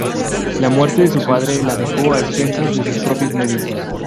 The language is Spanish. La muerte de su padre la dejó a expensas de sus propios medios.